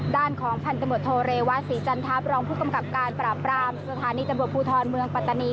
ด้านของพันธมตโทเรวะศรีจันทัพรองผู้กำกับการปราบรามสถานีตำรวจภูทรเมืองปัตตานี